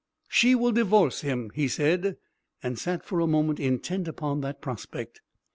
"She will divorce him," he said, and sat for a moment intent upon that prospect.